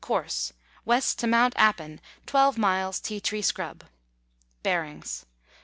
Course, West to Mount Appin, 12 miles tea tree scrub. Bearings.